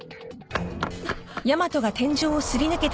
あっ！